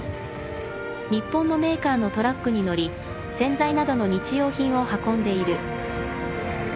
日本のメーカーのトラックに乗り洗剤などの日用品を運んでいる。